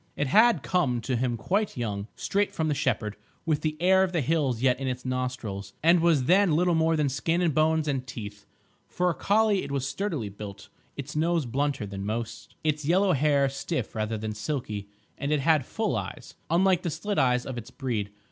It had come to him quite young, straight from the shepherd, with the air of the hills yet in its nostrils, and was then little more than skin and bones and teeth. For a collie it was sturdily built, its nose blunter than most, its yellow hair stiff rather than silky, and it had full eyes, unlike the slit eyes of its breed.